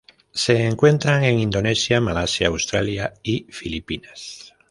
Se encuentran en Indonesia, Malasia, Australia y Filipinas.